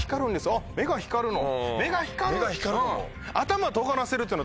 「あっ目が光るの？」。